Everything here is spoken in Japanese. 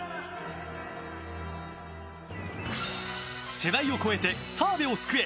世代を超えて澤部を救え！